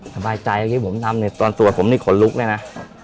ตอนสวดผมขนลุกด้วยนะ